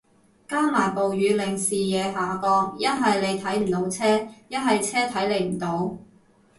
加埋暴雨令視野下降，一係你睇唔到車，一係車睇你唔到